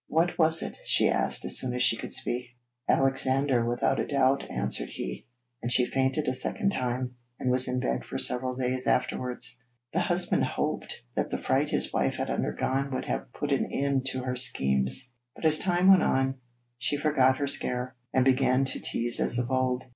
'What was it?' she asked as soon as she could speak. 'Alexander, without a doubt,' answered he, and she fainted a second time, and was in bed for several days afterwards. The husband hoped that the fright his wife had undergone would have put an end to her schemes, but as time went on she forgot her scare, and began to tease as of old.